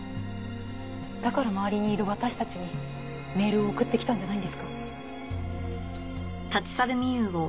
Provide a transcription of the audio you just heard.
だから周りにいる私たちにメールを送ってきたんじゃないですか？